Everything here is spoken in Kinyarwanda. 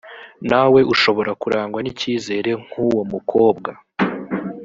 nawe ushobora kurangwa n’icyizere nk’uwo mukobwa